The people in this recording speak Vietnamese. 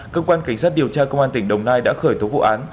cơ quan cảnh sát điều tra công an tỉnh đồng nai đã khởi tố vụ án